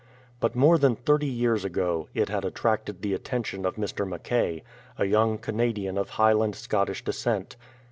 But more than thirty years ago it had attracted the attention of Mr. Mackay, a young Canadian of Highland Scottish descent.